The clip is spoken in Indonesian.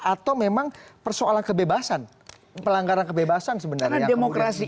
atau memang persoalan kebebasan pelanggaran kebebasan sebenarnya yang menjadi penting